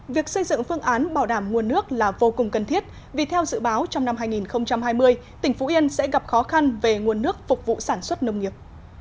việc xây dựng phương án bảo đảm nguồn nước là vô cùng cần thiết vì theo dự báo trong năm hai nghìn hai mươi tỉnh phú yên sẽ gặp khó khăn về nguồn nước phục vụ sản xuất nông nghiệp